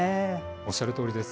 おっしゃるとおりです。